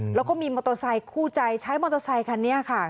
แล้วก็มีมอเตอร์ไซคู่ใจใช้มอเตอร์ไซคันนี้ค่ะ